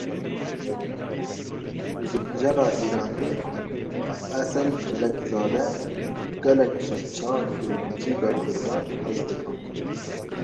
Muzîkjena Îranî Esel Melekzade; gelekî ji çand û muzîka Kurdan hez dikim.